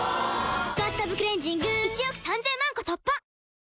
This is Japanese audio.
「バスタブクレンジング」１億３０００万個突破！